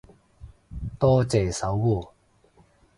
多謝守護